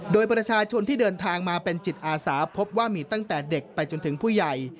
โดยประชาชนที่เดินทางมาเป็นจิตอาสาพบว่ามีตั้งแต่เด็กไปจนถึงผู้ใหญ่